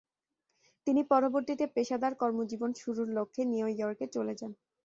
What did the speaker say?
তিনি পরবর্তীতে পেশাদার কর্মজীবন শুরুর লক্ষ্যে নিউ ইয়র্কে চলে যান।